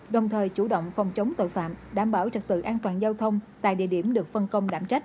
đồng thời chủ động phòng chống tội phạm đảm bảo trật tự an toàn giao thông tại địa điểm được phân công đảm trách